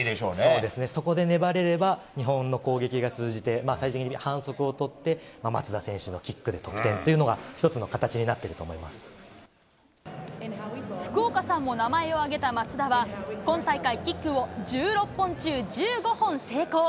そうですね、そこで粘れれば、日本の攻撃が通じて、最終的に反則を取って、松田選手のキックで得点っていうのが、福岡さんも名前を挙げた松田は、今大会、キックを１６本中１５本成功。